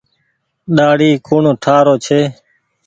ڏآڙي ڪوڻ ٺآ رو ڇي۔